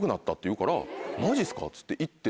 言うからマジっすかっつって行って。